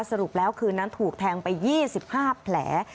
สรุปแล้วคืนนั้นถูกแทงไป๒๕แผล